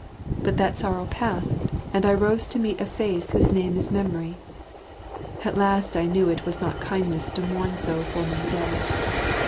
But that sorrow passed and I rose to meet a face whose name is memory. At last I knew it was not kindness to mourn so for my dead.